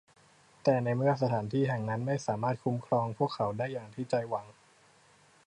แต่ในเมื่อสถานที่แห่งนั้นไม่สามารถคุ้มครองพวกเขาได้อย่างที่ใจหวัง